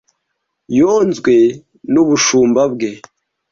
Yonzwe nubushumba bwe.